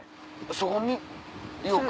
そこに行こうか。